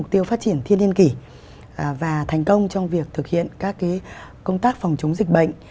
các mục tiêu phát triển thiên nhiên kỷ và thành công trong việc thực hiện các cái công tác phòng chống dịch bệnh